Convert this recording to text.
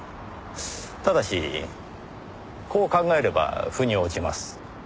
ただしこう考えれば腑に落ちます。